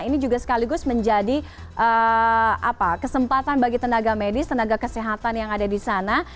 ini juga sekaligus menjadi kesempatan bagi tenaga medis tenaga kesehatan yang ada di sana